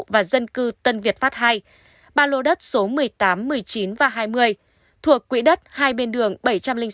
và dân cư tân việt pháp ii ba lô đất số một mươi tám một mươi chín và hai mươi thuộc quỹ đất hai bên đường bảy trăm linh sáu